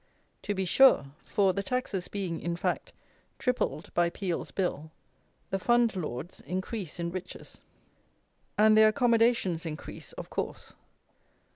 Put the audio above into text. To be sure; for, the taxes being, in fact, tripled by Peel's Bill, the fundlords increase in riches; and their accommodations increase of course.